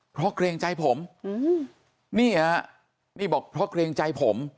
เพราะเกรงใจผมนี่ฮะนี่บอกเพราะเกรงใจผม